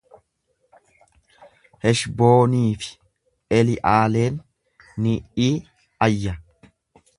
Heshboonii fi Eli'aaleen ni iayya.